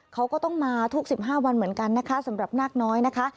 เขาก็ต้องมาทุก๑๕วันเหมือนกันนะคะสำหรับนาคน้อยนะคะ